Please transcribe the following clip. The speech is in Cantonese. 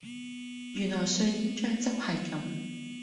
原來瑞典醬汁係咁